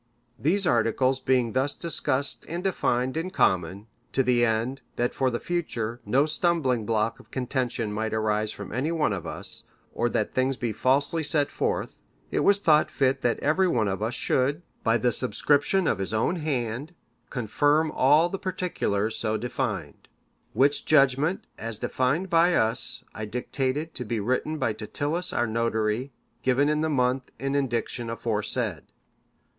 "These articles being thus discussed and defined in common, to the end, that for the future, no stumbling block of contention might arise from any one of us, or that things be falsely set forth, it was thought fit that every one of us should, by the subscription of his own hand, confirm all the particulars so defined. Which judgement, as defined by us, I dictated to be written by Titillus our notary. Given in the month and indiction aforesaid.